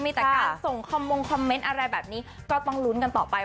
มีแต่การส่งคอมมงคอมเมนต์อะไรแบบนี้ก็ต้องลุ้นกันต่อไป